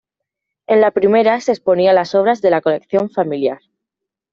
En la primera se exponía las obras de la colección familiar.